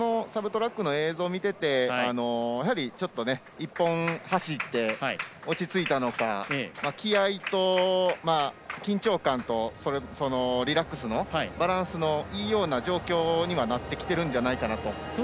このサブトラックの映像を見てて１本走って落ち着いたのか気合いと緊張感とリラックスのバランスのいいような状況にはなってきてるんじゃないかなと。